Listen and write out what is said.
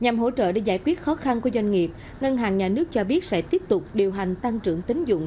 nhằm hỗ trợ để giải quyết khó khăn của doanh nghiệp ngân hàng nhà nước cho biết sẽ tiếp tục điều hành tăng trưởng tính dụng